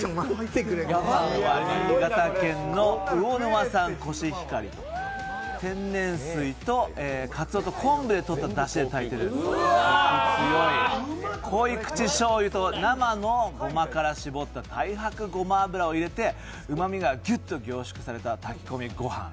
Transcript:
お米は新潟県の魚沼産コシヒカリと天然水とかつおと昆布でとっただしで炊いて出る、濃い口しょうゆと生のごまから絞った太白ごま油を入れて、うまみがギュッと凝縮された炊き込みご飯。